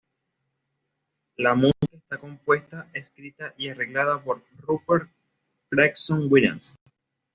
La música está compuesta, escrita y arreglada por Rupert Gregson-Williams.